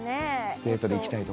デートで行きたい所。